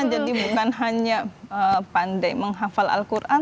jadi bukan hanya pandai menghafal al quran